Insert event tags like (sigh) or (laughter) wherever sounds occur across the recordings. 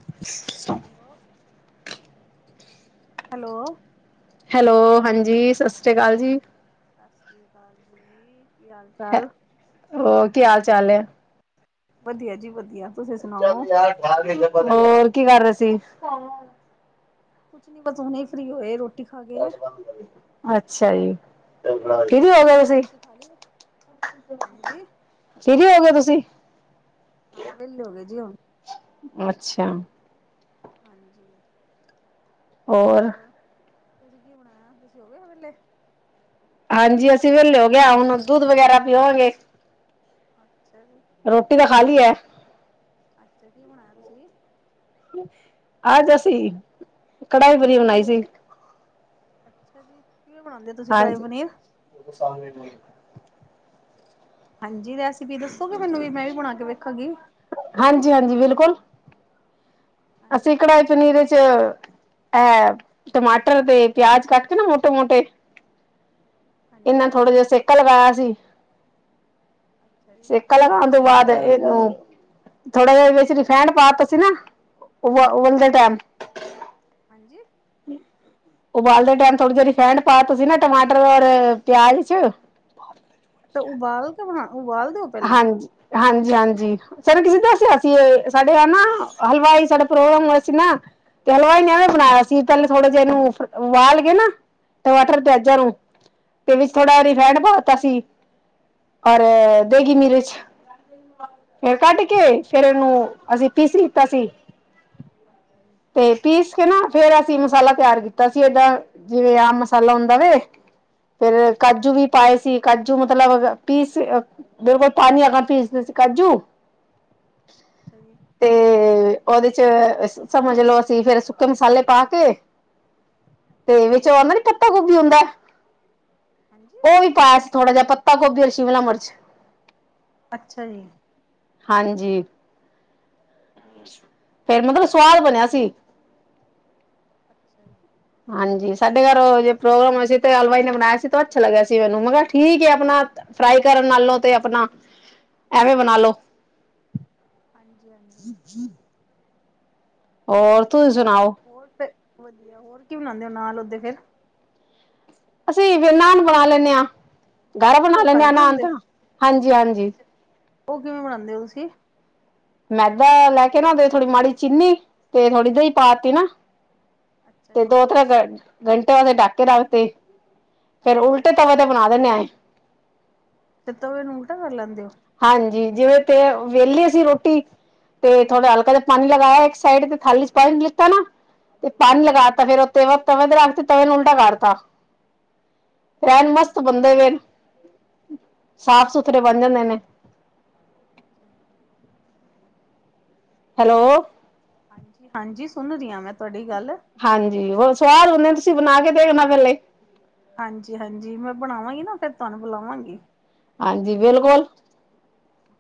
(unintelligible) Hello? Hello? Hello ਹਾਂਜੀ ਸਤਿ ਸ਼੍ਰੀ ਅਕਾਲ। ਜੀ ਹਾਂਜੀ ਸਤਿ ਸ਼੍ਰੀ ਅਕਾਲ ਜੀ ਕੀ ਹਾਲ ਹੈ, ਚਾਲ ਹੋਰ ਕੀ ਹਾਲ ਚਾਲ ਐ? ਵੱਧੀਆ ਜੀ ਵੱਧੀਆ। ਹੋਰ ਕੀ ਕਰ ਰਏ ਸੀ? ਕੁਛ ਨੀ ਬਸ ਹੁਣੇ ਈ ਫ੍ਰਰੀ ਹੋਏ ਰੋਟੀ ਖਾ ਕੇ। ਅੱਛਾ ਜੀ ਫ੍ਰੀ ਵੀ ਗਏ ਹਾਂਜੀ ਤੁਸੀਂ? ਖਾ ਲਈ ਹਾਂਜੀ ਫ੍ਰੀ ਵੀ ਹੋ ਗਏ ਤੁਸੀਂ? ਹਾਂ ਵੇਲੇ ਹੋ ਗਏ ਜੀ ਹੁਣ। ਅੱਛਾ। ਹਾਂਜੀ। ਹੋਰ ਤੁਸੀਂ ਕੀ ਬਣਾਇਆ ਤੁਸੀਂ ਹੋਗੇ ਵੇਲੇ? ਹਾਂਜੀ ਅਸੀਂ ਵੇਲੇ ਹੋ ਗਏ ਹੁਣ ਦੁੱਧ ਵਗੈਰਾ ਪੀਵਾਂਗੇ। ਅੱਛਾ ਜੀ। ਰੋਟੀ ਮੈ ਖਾ ਲਈ ਐ। ਅੱਛਾ ਕੀ ਬਣਾਆ ਤੁਸੀ? ਅੱਜ ਅਸੀਂ ਕੜਾਈ ਪਨੀਰ ਬਣਾਈ ਸੀ। ਅੱਛਾ ਜੀ ਕਿਵੇਂ ਬਣਾਂਦੇ ਓ ਤੁਸੀਂ ਕੜਾਈ ਪਨੀਰ? ਉਹ ਸਾਲ ਮੇ ਹੋ ਹਾਂਜੀ ਰੈਸਿਪੀ ਦੱਸੋਗੇ ਮੈਨੂੰ? ਮੈ ਵੀ ਬਣਾ ਕੇ ਵੇਖਾਂਗੀ ਹਾਂਜੀ- ਹਾਂਜੀ ਬਿਲਕੁਲ ਅਸੀਂ ਹਾਂਜੀ ਕੜਾਈ ਪਨੀਰ ਚ ਅ ਟਮਾਟਰ ਤੇ ਪਿਆਜ ਕੱਟ ਕੇ ਨਾ ਮੋਟੇ- ਮੋਟੇ ਏਨਾ ਹਾਂਜੀ ਥੋੜਾ ਜੇਆ ਸੇਕਾ ਲਵਾਏਆ ਸੀ ਅੱਛਾ ਜੀ ਸੇਕਾ ਲਗਾਣ ਤੋਂ ਬਾਅਦ ਏਨੂੰ ਥੋੜਾ ਜੇਆ ਵਿੱਚ ਰਿਫੈਂਡ ਪਾਤਾ ਸੀ ਨਾ, ਉਵਾ ਓਵਲਣ ਦੇ ਟੈਮ ਹਾਂਜੀ ਉਬਾਲਦੇ ਟਾਈਮ ਥੋੜ੍ਹੀ ਜੇਈ ਰਫੈਂਡ ਪਾ ਤਾ ਸੀ ਨਾ ਟਮਾਟਰ ਔਰ ਪਿਆਜ ਚ ਤਾਂ ਉਬਾਲ ਕੇ ਬਣਾ ਉਬਾਲ ਦਿਓ? ਹਾਂਜੀ- ਹਾਂਜੀ -ਹਾਂਜੀ ਸਾਨੂੰ ਕਿਸੇ ਦਸਿਆ ਸੀ ਏ ਸਾਡੇ ਆ ਨਾ ਹਲਵਾਈ ਸਾਡੇ ਪ੍ਰੋਗਰਾਮ ਹੋਏਆ ਸੀ ਨਾ ਤੇ ਹਲਵਾਈ ਨੇ ਇਵੇਂ ਬਣਾਏਆ ਸੀ ਪੇਲੇ ਥੋੜ੍ਹਾ ਜੇਆ ਏਨੂੰ ਉਬਾਲ ਕੇ ਨਾ ਟਮਾਟਰ ਪਿਆਜ਼ਾ ਹਾਂਜੀ ਨੂੰ, ਤੇ ਵਿੱਚ ਥੋੜ੍ਹਾ ਅੱਛਾ ਰਿਫਾਇਡ ਪਾਤਾ ਸੀ ਔਰ ਦੇਗੀ ਮਿਰਚ ਫੇਰ ਕੱਢ ਕੇ ਫੇਰ ਏਨੂੰ ਅਸੀਂ ਪੀਸ ਲਿੱਤਾ ਸੀ। ਅੱਛਾ ਜੀ। ਤੇ ਪੀਸ ਕੇ ਨਾ ਫੇਰ ਅਸੀਂ ਮਸਾਲਾ ਤਿਆਰ ਕੀਤਾ ਸੀ ਏਦਾ ਜਿਵੇਂ ਆਮ ਮਸਾਲਾ ਹੁੰਦਾ ਵੇ ਫੇਰ ਅੱਛਾ ਕਾਜੂ ਵੀ ਅੱਛਾ ਪਾਏ ਸੀ ਕਾਜੂ ਮਤਲਬ ਪੀਸ ਫੇਰ ਪਾਨੀ ਹੈਗਾ ਪੀਸ-ਪੀਸ ਕਾਜੂ ਅੱਛਾ ਜੀ। ਤੇ ਓਦੇ ਚ ਸਮਝ ਲਓ ਅਸੀਂ ਫੇਰ ਸੁੱਕੇ ਮਸਾਲੇ ਪਾ ਕੇ ਅੱਛਾ ਜੀ ਅੱਛਾ ਤੇ ਜੀ ਵਿੱਚ ਆਦਾ ਨੀ ਪੱਤਾ ਗੋਭੀ ਹੁੰਦਾ ਹਾਂਜੀ ਓ ਵੀ ਪਾਇਆ ਸੀ ਥੋੜਾ ਜੇਆ ਪੱਤਾ ਗੋਭੀ ਔਰ ਸ਼ਿਮਲਾ ਮਰਚ ਅੱਛਾ ਜੀ। ਹਾਂਜੀ। ਫੇਰ ਮਤਲਬ ਸਵਾਦ ਬਣੇਆ ਸੀ। ਅੱਛਾ ਜੀ। ਹਾਂਜੀ ਸਾਡੇ ਘਰ ਓ ਜੇ ਪ੍ਰੋਗਰਾਮ ਹੋ ਸੀ ਤੇ ਹਲਵਾਈ ਨੇ ਬਣਾਇਆ ਸੀ ਤੋ ਅੱਛਾ ਲੱਗਿਆ ਸੀ ਮੈਨੂੰ ਮੈਂ ਕੈਆ ਠੀਕ ਏ ਅਪਣਾ ਫਰਾਈ ਕਰਨ ਨਾਲੋ ਤੇ ਅਪਣਾ ਐਵੇਂ ਬਣਾਲੋ ਹਾਂਜੀ-ਹਾਂਜੀ। ਹੋਰ ਤੁਸੀਂ ਵਧੀਆ ਸੁਣਾਓ। ਹੋਰ ਫੇਰ ਵਧੀਆ, ਹੋਰ ਕੀ ਬਣਾਣੇ ਓ ਨਾਲ ਓਦੇ ਫੇਰ ਅਸੀਂ ਵੀ ਨਾਨ ਬਣਾ ਲੈਂਨ ਆ, ਘਰ ਬਣਾ ਉਹ ਲੈਂਣੇ ਆ ਨਾਨ ਬਣਾਉਂਦੇ ਤਾਂ ਹਾਂਜੀ-ਹਾਂਜੀ। ਓ ਕਿਵੇਂ ਬਣਾਣੇ ਓ ਤੁਸੀਂ ਮੈਦਾ ਲੈ ਕੇ ਨਾ ਓਦੇ ਚ ਥੋੜੀ ਮਾੜੀ ਚੀਨੀ ਤੇ ਥੋੜੀ ਦਈ ਹਾਂ, ਪਾਤੀ ਨਾ, ਅੱਛਾ ਜੀ ਦੋ-ਤ੍ਰੈ ਘੰਟ ਘੰਟਾ ਦੇ ਡਾਕੇ ਰੱਖ ਤੇ ਫੇਰ ਅੱਛਾ ਉਲਟੇ ਜੀ ਤਵੇ ਤੇ ਬਣਾ ਦਿੰਣੇ ਆ। ਤੇ ਤਵੇ ਨੂੰ ਉਲਟਾ ਕਰ ਲੈਂਦੇ ਓ ਹਾਂਜੀ ਜਿਵੇਂ ਤੇ ਵੇਲੀ ਅਸੀ ਰੋਟੀ, ਤੇ ਥੋੜਾ ਹਾਂਜੀ ਹਲਕਾ ਜ ਪਾਨੀ ਲਗਾਇਆ ਏਕ ਸਾਈਡ ਤੇ ਥਾਲੀ ਚ ਪਾਈ ਦਿਤਾ ਨਾ ਤੇ ਪਾਨੀ ਲਗਾ ਹਾਂਜੀ ਤਾਂ ਫਿਰ ਤੇਵਾ ਤਵੇ ਤੇ ਰੱਖ ਕੇ ਤਵੇ ਨੂੰ ਉਲਟਾ ਕਰਤਾ। ਐਨ ਅੱਛਾ ਜੀ ਮਸਤ ਬੰਦੇ ਪਏ ਨੇ, ਅੱਛਾ ਸਾਫ-ਸੁਥਰੇ ਬਣ ਜਾਂਦੇ ਨੇ ਹੂੰ। ਹੈਲੋ। ਹਾਂਜੀ-ਹਾਂਜੀ ਸੁਣ ਰੀ ਆ ਮੈਂ ਤੁਆਡੀ ਗੱਲ। ਹਾਂਜੀ ਹੋਰ ਸੁਵਾਦ ਹੁੰਦੇ ਨੇ ਤੁਸੀਂ ਬਣਾ ਕੇ ਦੇਖਣਾ ਪੈਲੇ ਹਾਂਜੀ-ਹਾਂਜੀ ਮੈਂ ਬਣਾਵਾਂਗੀ ਨਾ ਫੇਰ ਤੁਆਨੂੰ ਬੁਲਾਵਾਂਗੀ। ਹਾਂਜੀ ਬਿਲਕੁਲ।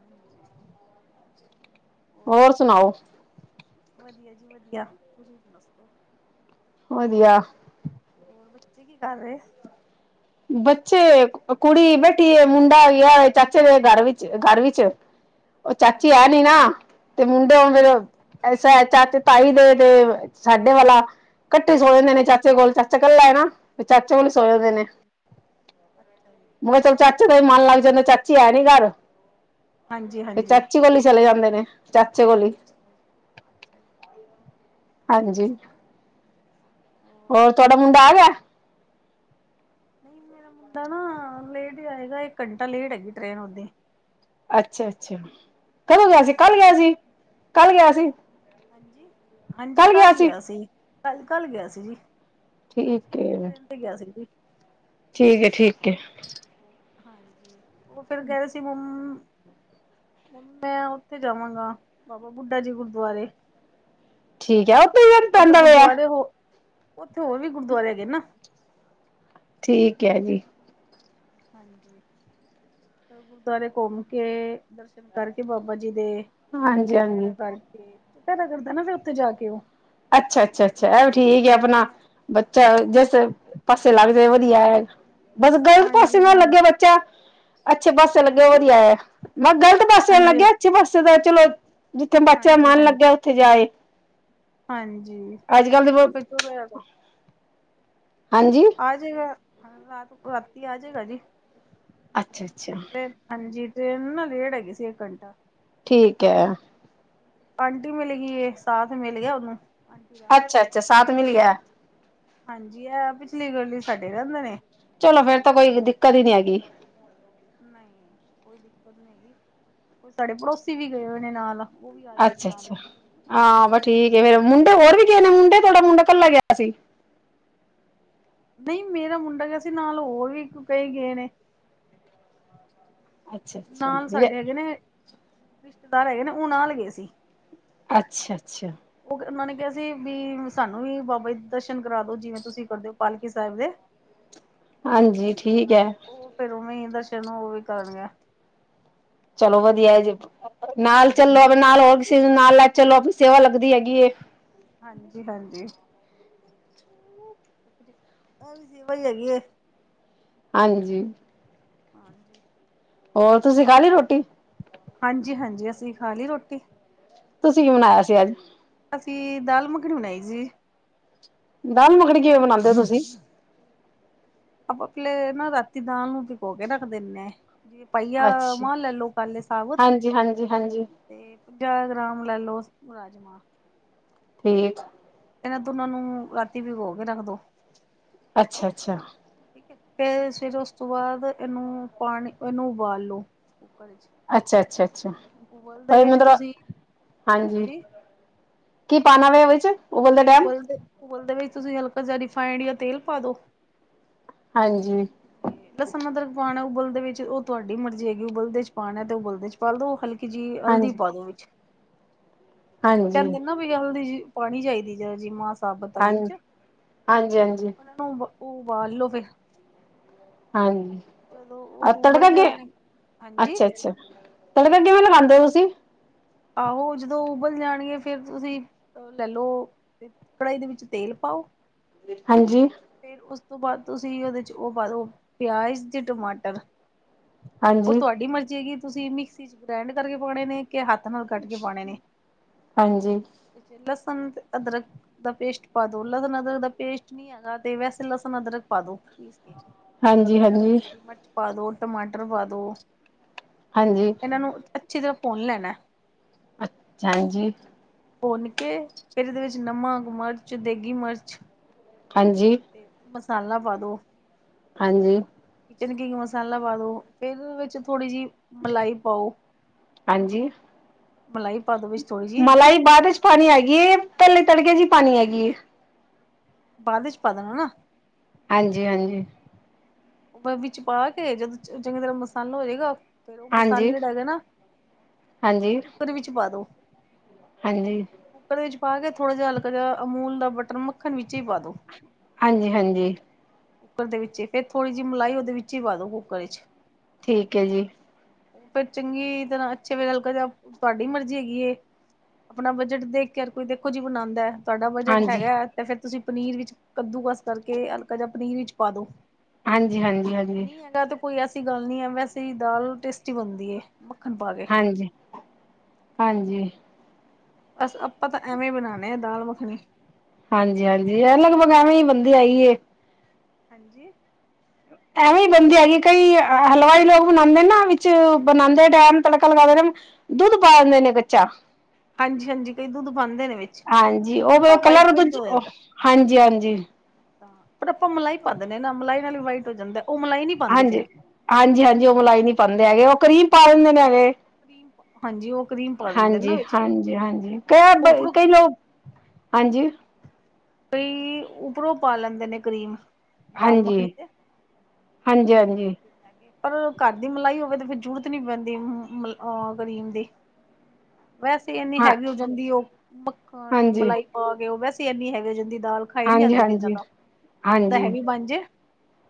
ਹਾਂਜੀ। ਹੋਰ ਸੁਣਾਓ। ਵਧੀਆ ਜੀ ਵਧੀਆ, ਤੁਸੀਂ ਸੁਨਦਸੋ- ਵਧੀਆ। ਹੋਰ ਬੱਚੇ ਕੀ ਕਰ ਰੈ? ਬੱਚੇ ਕੁੜੀ ਬੈਠੀਏ ਮੁੰਡਾ ਗਿਆ ਚਾਚੇ ਦੇ ਘਰ ਵਿੱਚ-ਘਰ ਵਿੱਚ। ਓ ਚਾਚੀ ਹੈ ਅੱਛਾ ਨੀ ਜੀ ਨਾ ਤੇ ਮੁੰਡੇ ਓ ਫੇਰ ਹਾਂਜੀ ਐਸਾ ਐ ਚਾਚੇ ਤਾਈ ਦੇ ਤੇ ਸਾਡੇ ਵਾਲਾ, ‌ਕੱਠੇ ਸੋ ਜਾਦੇ ਨੇ ਅੱਛਾ ਚਾਚੇ ਕੋਲ ਚਾ ਚਾਚਾ ਕਲਾ ਏ ਨਾ, ਚਾਚਾ ਵਲ ਸੋ ਜਾਦੇ ਨੇ ਅੱਛਾ ਜੀ ਮੈਂ ਕੈਆ ਚਲ ਚਾਚੇ ਚਾਚੇ ਦਾ ਮਨ ਲੱਗ ਜਾਂਦਾ ਐ ਚਾਚੀ ਹੈ ਨੀ ਕਾੱਰ, ਹਾਂਜੀ ਹਾਂਜੀ ਚਾਚੀ ਵੱਲ ਈ ਚਲੇ ਜਾਂਦੇ ਨੇ। ਚਾਚੇ ਕੋਲ ਈ। ਅੱਛਾ ਜੀ-ਅੱਛਾ ਜੀ। ਹਾਂਜੀ। ਹੋਰ ਤੁਆਡਾ ਮੁੰਡਾ ਆ ਗਿਆ। ਨਈ ਮੇਰਾ ਮੁੰਡਾ ਨਾ ਲੇਟ ਈ ਆਏਗਾ ਏਕ ਕੰਟਾ ਲੇਟ ਹੈਗੀ ਟ੍ਰਰੇਨ ਓਦੀ ਅੱਛਾ-ਅੱਛਾ ਕਦੋਂ ਗਿਆ ਹਾਂਜੀ ਸੀ। ਹਲੇ ਕੱਲ ਨੀ ਗਿਆ ਸੀ ਕੱਲ ਗਿਆ ਸੀ। ਹਾਂਜੀ-ਹਾਂਜੀ ਕੱਲ ਗਿਆ ਸੀ ਕੱਲ-ਕੱਲ ਗਿਆ ਸੀ ਜੀ। ਅਲ ਠੀਕ ਛੇ ਆਲੀ ਹੈ ਟ੍ਰੇਨ ਤੇ ਗਿਆ ਸੀ ਜੀ। ਠੀਕ ਐ- ਠੀਕ ਐ। ਹਾਂਜੀ ਓ ਫਿਰ ਕੈ ਰੇ ਸੀ ਮਮ ਮੈਂ ਓਥੇ ਜਾਵਾਂਗਾ, ਬਾਬਾ ਬੁੱਢਾ ਜੀ ਗੁਰਦੁਆਰੇ। ਠੀਕ ਐ, ਓਥੇ ਮੀਂ ਪੈਂਦਾ ਪਯਾ ਓਥੇ ਹੋਰ ਵੀ ਗੁਰਦੁਆਰੇ ਹੈਗੇ ਨਾ। ਠੀਕ ਐ ਜੀ। ਹਾਂਜੀ, ਸਬ ਗੁਰਦੁਆਰੇ ਘੁੰਮ ਕੇ ਦਰਸ਼ਨ ਕਰਕੇ ਬਾਬਾ ਜੀ ਦੇ। ਹਾਂਜੀ ਹਾਂਜੀ ਚੁਪੈਰਾ ਕਰਕੇ, ਚੁਪੈਰਾ ਕਰਦਾ ਨਾ ਫੇਰ ਉੱਥੇ ਜਾ ਕੇ ਉਹ। ਅੱਛਾ, ਅੱਛਾ, ਅੱਛਾ ਇਹ ਵੀ ਠੀਕ ਆ ਆਪਣਾ ਬੱਚਾ ਏ, ਜਿਸ ਪਾਸੇ ਲੱਗ ਜਾਏ ਵਧੀਆ ਹੈ। ਬਸ ਗਲਤ ਪਾਸੇ ਹਾਂਜੀ ਨਾ ਲੱਗੇ ਹਾਂਜੀ ਬੱਚਾ। ਅੱਛੇ ਪਾੱਸੇ ਲੱਗੇ ਹਾਂਜੀ ਵਧੀਆ ਏ, ਮੈਂ ਕਿਹਾ ਗਲਤ ਪਾੱਸੇ ਨਾ ਹਾਂਜੀ ਲੱਗੇ ਅੱਛੇ ਪਾਸੇ ਦਾ ਚਲੋ ਜਿੱਥੇ ਬੱਚਿਆਂ ਦਾ ਹਾਂਜੀ ਮਨ ਲੱਗਿਆ ਹਾਂਜੀ ਉੱਥੇ ਜਾਏ। ਹਾਂਜੀ। ਅੱਜ ਕੱਲ ਦੇ ਬਹੁਤ ਸੁਬਹੇ ਆਂਦਾ। ਹਾਂਜੀ। ਆ ਜਾਏਗਾ, ਰਾਤ ਰਾਤੀ ਆ ਜਾਏਗਾ ਜੀ। ਅੱਛਾ, ਅੱਛਾ। ਟ੍ਰੇਨ ਹਾਂਜੀ, ਟ੍ਰੇਨਲ ਲੈਟ ਹੈ ਗਈ ਸੀ ਇਕ ਘਟਾਂ। ਠੀਕ ਹੈ। ਆਂਟੀ ਮਿਲ ਗਈ, ਇੱਕ ਸਾਥ ਮਿਲ ਗਿਆ ਉਹਨੂੰ। ਆਂਟੀ ਦਾ ਅੱਛਾ, ਅੱਛਾ ਸਾਥ ਮਿਲ ਗਿਆ। ਹਾਂਜੀ, ਆ ਪਿਛਲੀ ਗਲੀ ਸਾਡੇ ਰਹਿੰਦੇ ਨੇ, ਮਾਰੀ ਕਦੀ ਨਹੀਂ ਆਏਗੀ। ਨਹੀਂ ਕੋਈ ਦਿੱਕਤ ਨਹੀਂ ਹੈਗੀ ਕੋਈ, ਸਾਡੇ ਪੜੋਸੀ ਵੀ ਗਏ ਹੋਏ ਨੇ ਨਾਲ। ਉਹ ਵੀ ਆ ਜਾਣਗੇ ਅੱਛਾ, ਨਾਲ ਅੱਛਾ ਹੀ ਹਾਂ ਠੀਕ ਆ ਫੇਰ, ਮੁੰਡੇ ਹੋਰ ਵੀ ਗ ਨੇ ਮੁੰਡੇ ਥੋੜਾ ਮੁੰਡਾ ਇਕੱਲਾ ਗਿਆ ਸੀ। ਨਹੀਂ ਮੇਰਾ ਮੁੰਡਾ ਗਿਆ ਸੀ, ਨਾਲ ਹੋਰ ਵੀ ਕਈ ਗਏ ਨੇ। ਅੱਛਾ ਅੱਛਾ ਨਾਲ ਸਾਡੇ ਹੈਗੇ ਨੇ, ਰਿਸ਼ਤੇਦਾਰ ਹੈਗੇ ਨੇ ਉਹ ਨਾਲ ਗਏ ਸੀ। ਅੱਛਾ, ਅੱਛਾ। ਉਹ ਉਹਨਾਂ ਨੇ ਕਿਹਾ ਸੀ ਵੀ ਸਾਨੂੰ ਵੀ ਬਾਬਾ ਦਰਸ਼ਨ ਕਰਾ ਦੋ, ਜਿਵੇਂ ਤੁਸੀਂ ਕਰਦੇ ਹੋ। ਪਾਲਕੀ ਸਾਹਿਬ ਦੇ। ਹਾਂਜੀ ਠੀਕ ਹੈ। ਉਹ ਫੇਰ ਉਵੇਂ ਦਰਸ਼ਨ ਉਹ ਵੀ ਕਰਨ ਗਿਆ। ਚਲੋ ਵਧੀਆ ਹੈ ਜੀ, ਨਾਲ ਚੱਲੋ ਹਾਂਜੀ ਆਪ ਨਾਲ ਹੋਰ ਕਿਸੇ ਨੂੰ ਨਾਲ ਲੈ ਚੱਲੋ ਆਪਣੀ ਸੇਵਾ ਲੱਗਦੀ ਹੈਗੀ ਐ। ਹਾਂਜੀ, ਹਾਂਜੀ। ਇਹ ਵੀ ਸੇਵਾ ਈ ਹੈਗੀ ਏ। ਹਾਂਜੀ। ਹਾਂਜੀ। ਹੋਰ ਤੁਸੀਂ ਖਾ ਲਈ ਰੋਟੀ? ਹਾਂਜੀ, ਹਾਂਜੀ ਅਸੀਂ ਖਾ ਲਈ ਰੋਟੀ। ਤੁਸੀਂ ਕੀ ਬਨਾਇਆ ਸੀ ਅੱਜ? ਅਸੀਂ ਦਾਲ ਮੱਖਣੀ ਬਣਾਈ ਸੀ। ਦਾਲ ਮੱਖਣੀ ਕਿਵੇਂ ਬਣਾਉਂਦੇ ਹੋ ਤੁਸੀਂ? ਆਪਾਂ ਪਹਿਲੇ ਨਾ ਰਾਤੀ ਦਾਲ ਨੂੰ ਪਕੋ ਕੇ ਰੱਖ ਦਿੰਦੇ ਆ, ਜੇ ਪਹੀਆਂ ਅੱਛਾ ਮਾਂ ਲੈ ਲਓ ਕਾਲੇ ਸਾਵਧ। ਹਾਂਜੀ ਹਾਂਜੀ ਹਾਂਜੀ ਤੇ ਪੰਜਾਹ ਗ੍ਰਾਮ ਲੈ ਲੋ ਰਾਜਮਾਂ। ਠੀਕ। ਇਹ ਦੋਨਾਂ ਨੂੰ ਰਾਤੀ ਵਿਗੋ ਕੇ ਰੱਖ ਦੋ। ਅੱਛਾ, ਅੱਛਾ। ਠੀਕ ਹੈ, ਫੇਰ ਉਸ ਤੋਂ ਬਾਅਦ ਇਹਨੂੰ ਪਾਣੀ ਇਹਨੂੰ ਉਬਾਲੋ ਕੁੂੱਕਰ ਏਚ ਅੱਛਾ-ਅੱਛਾ-ਅੱਛਾ ਪਈ ਮਤਲਬ, ਤੁਸੀਂ ਹਾਂਜੀ ਕੀ ਪਾਨਾ ਵੇ ਓ ਵੇਚ ਉਬਲਦੇ ਉਬਲਦੇ ਵਿੱਚ ਤੁਸੀਂ ਹਲਕਾ ਜੇਹਾ ਰਿਫਾਇੰਡ ਯਾਂ ਤੇਲ ਪਾਦੋ। ਹਾਂਜੀ। ਲਸਨ ਅਦਰਕ ਪਾਣਾ ਉਬਲਦੇ ਵਿੱਚ ਓ ਤੁਆਡੀ ਮਰਜ਼ੀ ਹੈਗੀ ਏ ਉਬਲਦੇ ਚ ਪਾਣਾ ਤੇ ਉਬਲਦੇ ਚ ਪਾਾਲ ਦੋ ਓ ਹਲਕ ਕੀ ਜੀ ਹਲਦੀ ਹਾਂਜੀ ਪਾਦੋ ਵਿੱਚ ਓ ਹਾਂਜੀ ਹਾਂਜੀ ਕੈਂਦੇ ਨਾ ਹਲਦੀ ਜੀ ਪਾਣੀ ਚਾਇਦੀ ਜੀਮਾਂ ਮਾਂ ਸਾਬਤ ਆਲੀ ਚ। ਹਾਂਜੀ ਹਾਂਜੀ ਤੁਬ ਉਬਾਲ ਲੋੋ ਫੇਰ ਹਾਂਜੀ ਜਦੋਂ ਹਾਂ ਉਹ ਉਬਲ ਤੜਗੇ ਜਾਣ ਹਾਂਜੀ ਅੱਛਾ-ਅੱਛਾ। ਪੈਲੇ ਫਿਰ ਕਿਵੇਂ ਲਗਾਂਦੇ ਓ ਤੁਸੀਂ? ਆਹੋ ਜਦੋਂ ਉਬਲ ਜਾਣਗੇ ਫੇਰ ਤੁਸੀਂ ਲੈਲੋ ਕੜਾਈ ਦੇ ਵਿੱਚ ਤੇਲ ਪਾਓ ਵੇਟ ਹਾਂਜੀ ਫੇਰ ਉਸ ਤੋਂ ਬਾਅਦ ਤੁਸੀਂ ਓਦੇ ਚ ਓ ਪਾਦੋ ਪਿਯਾਜ਼ ਤੇ ਟਮਾਟਰ। ਓ ਹਾਂਜੀ ਤੁਆਡੀ ਮਰਜ਼ੀ ਹੈਗੀ ਤੁਸੀਂ ਮਿਕਸੀ ਚ ਗ੍ਰੈਂਡ ਕਰਕੇ ਪਾਣੇ ਨੇ ਕੇ ਹ- ਥਾ ਨਾਲ ਕੱਟ ਕੇ ਪਾਣੇ ਨੇ। ਹਾਂਜੀ ਲਸਣ ਤੇ ਅਦਰਕ ਦਾ ਪੇਸਟ ਪਾਦੋ ਲਸਣ-ਅਦਰਕ ਦਾ ਪੇਸਟ ਨੀ ਹੈਗਾ ਤੇ ਵੈਸੇ ਲਸਣ-ਅਦਰਕ ਪਾਦੋ ਪੀਸ ਕੇ, ਹਾਂਜੀ ਹਾਂਜੀ ਹਰੀ ਮਰਚ ਤੇ ਪਾਦੋ, ਟਮਾਟਰ ਪਾਦੋ ਹਾਂਜੀ ਏਨਾਂ ਨੂੰ ਅੱਛੀ ਤਰ੍ਹਾਂ ਪੁੰਨ ਲੈਣਾ ਅੱਛ ਹਾਂਜੀ ਪੁੰਨ ਕੇ ਫਿਰ ਏਦੇ ਵਿੱਚ ਨਮਕ, ਮਰਚ, ਦੇਗੀ ਮਰਚ ਹਾਂਜੀ ਤੇ ਮਸਾਲਾ ਪਾਦੋ। ਹਾਂਜੀ। ਕਿਚਨ ਕਿਂਗ ਮਸਾਲਾ ਪਾਦੋ ਏਦੇ ਵਿੱਚ ਥੋੜ੍ਹੀ ਜੀ ਮਲਾਈ ਪਾਓ, ਹਾਂਜੀ ਮਲਾਈ ਪਾਦੋ ਵਿੱਚ ਥੋੜ੍ਹੀ ਜੀ। ਮਲਾਈ ਬਾਅਦ ਚ ਪਾਣੀ ਹੈਗੀ ਏ ਪੈਲੇ ਤੜਕੇ ਚ ਈ ਪਾਣੀ ਹੈਗੀ ਏ। ਬਾਅਦ ਇਚ ਪਾ ਦੇਣਾ ਨਾ। ਹਾਂਜੀ-ਹਾਂਜੀ। ਓ ਫਿਰ ਵਿੱਚ ਪਾ ਕੇ ਜਦੋਂ ਚੰਗੀ ਤਰ੍ਹਾਂ ਮਸਾਲਾ ਹੋ ਜੇਗਾ ਫੇਰ ਓ ਮਸਾਲੇ ਹਾਂਜੀ ਜੇੜੇ ਹੈਗੇ ਨਾ ਓ ਤੁਸੀਂ ਹਾਂਜੀ ਕੁੱਕਰ ਵਿੱਚ ਪਾਦੋ। ਹਾਂਜੀ। ਕੁੱਕਰ ਵਿੱਚ ਪਾ ਕੇ ਥੋੜ੍ਹਾ ਜੇਆ ਹਲਕਾ ਜੇਆ ਅਮੂਲ ਦਾ ਬਟਰ ਮੱਖਣ ਵਿੱਚੇ ਈ ਪਾਦੋ। ਹਾਂਜੀ-ਹਾਂਜੀ‌। ਕੁੱਕਰ ਦੇ ਵਿੱਚੇ ਈ ਫੇਰ ਥੋੜ੍ਹੀ ਜੀ ਮਲਾਈ ਓਦੇ ਵਿੱਚੇ ਈ ਪਾਦੋ ਕੁੂੱਕਰ ਇਚ ਠੀਕ ਏ ਜੀ। ਫੇਰ ਚੰਗੀ ਤਰ੍ਹਾਂ ਅੱਛੇ ਜੇਆ ਹਲਕਾ ਜੇਆ ਤੁਆਡੀ ਮਰਜ਼ੀ ਹੈਗੀ ਏ ਆਪਣਾ ਬਜਟ ਦੇਖ ਕੇ ਹਰ ਕੋਈ ਦੇਖੋ ਜੀ ਬਣਾਦਾ। ਤੁਆਡਾ ਬਜਟ ਹਾਂਜੀ, ਹੈਗਾ ਹੈ ਤੇ ਫੇਰ ਤੁਸੀਂ ਪਨੀਰ ਵਿੱਚ ਕੱਦੂ-ਕਸ ਕਰਕੇ ਹਲਕਾ ਜੇਆ ਪਨੀਰ ਵਿੱਚ ਪਾਦੋ। ਹਾਂਜੀ-ਹਾਂਜੀ-ਹਾਂ ਨੀ ਹੈਗਾ ਤੇ ਕੋਈ ਐਸੀ ਗੱਲ ਨੀ ਐ ਵੈਸੇ ਈ ਦਾਲ ਟੇਸਟੀ ਬਣਦੀ ਏ ਮੱਖਣ ਪਾਕੇ। ਹਾਂਜੀ, ਹਾਂਜੀ। ਬਸ ਆਪਾਂ ਤਾਂ ਐਵੇਂ ਈ ਬਣਾਣੇ ਆਂ ਦਾਲ-ਮੱਖਣੀ। ਹਾਂਜੀ-ਹਾਂਜੀ ਐ ਲਗਭਗ ਐਵੇਂ ਈ ਬੰਦੀ ਹੈਗੀ ਏ। ਹਾਂਜੀ ਐਵੇਂ ਹੀ ਬਣਦੀ ਹੈਗੀ, ਕਈ ਹਲਵਾਈ ਲੋਕ ਬਣਾਉਂਦੇ ਨਾ ਵਿੱਚ ਬਣਾਉਂਦੇ ਡੈਮ ਤੜਕਾ ਲਗਾਦੇ ਨੇ। ਦੁੱਧ ਪਾ ਦਿੰਦੇ ਨੇ ਕੱਚਾ। ਹਾਂਜੀ -ਹਾਂਜੀ ਕਈ ਦੁੱਧ ਪਾਂਦੇ ਨੇ ਵਿੱਚ, ਦੁੱਧ ਹਾਂਜੀ ਉਹ ਨਾਲ ਨਾ ਵਾਈਟ ਕਲਰ -ਵਾਈਟ ਦੂਜ ਜੋ ਹਾਂਜੀ, ਜਾਂਦਾ। ਹਾਂਜੀ, ਪਰ ਆਪਾਂ ਮਲਾਈ ਪਾ ਦਿੰਦੇ ਹਾਂ ਨਾ, ਮਲਾਈ ਨਾਲ ਵੀ ਵਾਈਟ ਹੋ ਜਾਂਦਾ, ਉਹ ਮਲਾਈ ਨੀ ਹਾਂਜੀ -ਹਾਂਜੀ -ਹਾਂਜੀ ਉਹ ਮਲਾਈ ਨਹੀਂ ਪਾਉਂਦੇ ਹੈਗੇ ਉਹ ਕਰੀਮ ਪਾ ਦਿੰਦੇ ਨੇ ਹੈਗੇ। ਕਰੀਮ ਹਾਂਜੀ ਉਹ ਕਰੀਮ ਪਾ ਦਿੰਦੇ ਨਾ ਹਾਂਜੀ ਵਿੱਚ -ਹਾਂਜੀ -ਹਾਂਜੀ ਉਪਰੋਂ ਕਈ ਲੋਕ ਹਾਂਜੀ। ਕਈ ਉਪਰੋਂ ਪਾ ਲੈਂਦੇ ਨੇ ਕਰੀਮ। ਦਾਲ ਮੱਖਣੀ ਹਾਂਜੀ, ਤੇ। ਹਾਂਜੀ, ਪਰ ਘਰ ਦੀ ਮਲਾਈ ਹੋਵੇ ਤੇ ਫੇਰ ਜ਼ਰੂਰਤ ਨਹੀਂ ਪੈਂਦੀ ਅਹ ਕਰੀਮ ਦੀ। ਹ ਵੈਸੇ ਇੰਨੀ ਹੈਵੀ ਹੋ ਜਾਂਦੀ ਉਹ ਮੱਖਣ ਹਾਂਜੀ, ਮਲਾਈ ਪਾ ਕੇ, ਉਹ ਵੈਸੇ ਇਨੀ ਹੈਵੀ ਹੋ ਜਾਂਦੀ ਦਾਲ ਖਾਈ ਨੀ ਹਾਂਜੀ, ਜਾਂਦੀ ਫਿਰ ਹਾਂਜੀ। ਜਾਦਾ, ਜਾਦਾ ਹਾਂਜੀ, ਹੈਵੀ ਬਣ ਜਾਏ।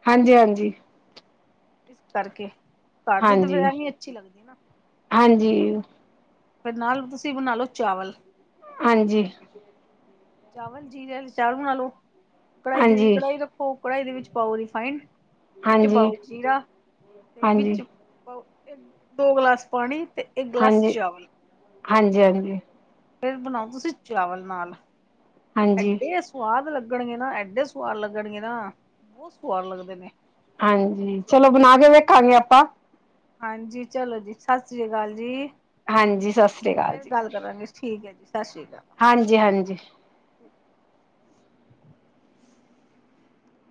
ਹਾਂਜੀ ਹਾਂਜੀ ਇਸ ਕਰਕੇ ਘਰ ਦੀ ਤਾਂ ਹਾਂਜੀ ਫਿਰ ਐਹੀ ਅੱਛੀ ਲੱਗਦੀ ਨਾ। ਹਾਂਜੀ। ਫਿਰ ਨਾਲ ਤੁਸੀਂ ਬਣਾ ਲਓ ਚਾਵਲ। ਹਾਂਜੀ। ਚਾਵਲ ਜੀਰੇ ਚਾਵਲ ਬਣਾ ਲਓ, ਕੜਾਈ ਦੇ ਹਾਂਜੀ ਕੜਾਈ ਰੱਖੋ। ਹੋਰ ਕੜਾਹੀ ਦੇ ਵਿੱਚ ਪਾਓ ਰਿੀਫਾਈੰਡ, ਵਿੱਚ ਹਾਂਜੀ ਹਾਂਜੀ ਪਾਓ ਜੀਰਾ, ਤੇ ਹਾਂਜੀ ਵਿੱਚ ਦੋ ਗਲਾਸ ਪਾਣੀ ਅਤੇ ਇੱਕ ਗਲਾਸ ਚਾਵਲ। ਹਾਂਜੀ- ਹਾਂਜੀ! ਫੇਰ ਬਣਾਓ ਤੁਸੀਂ ਚਾਵਲ ਨਾਲ, ਹਾਂਜੀ ਐਡੇ ਸਵਾਦ ਲੱਗਣਗੇ ਨਾ- ਐਡੇ ਸਵਾਦ ਲੱਗਣਗੇ ਨਾ, ਬਹੁਤ ਸਵਾਦ ਲੱਗਦੇ ਨੇ। ਹਾਂਜੀ। ਚਲੋ ਬਣਾ ਕੇ ਵੇਖਾਂਗੇ ਆਪਾਂ। ਹਾਂਜੀ, ਚਲੋ ਜੀ ਸਤਿ ਸ੍ਰੀ ਅਕਾਲ ਜੀ। ਹਾਂਜੀ, ਸਤਿ ਸ਼੍ਰੀ ਅਕਾਲ ਫੇਰ ਜੀ। ਗੱਲ ਕਰਾਂਗੇ, ਠੀਕ ਹੈ ਜੀ ਸਤਿ ਸ਼੍ਰੀ ਅਕਾਲ। ਹਾਂਜੀ -ਹਾਂਜੀ!